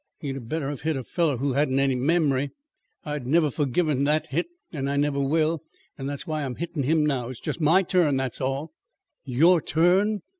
He'd a better have hit a feller who hadn't my memory. I've never forgiven that hit, and I never will. That's why I'm hittin' him now. It's just my turn; that's all." "Your turn!